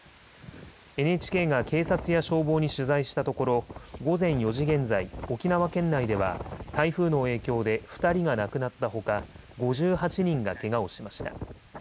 ＮＨＫが警察や消防に取材したところ、午前４時現在、沖縄県内では台風の影響で２人が亡くなったほか５８人がけがをしました。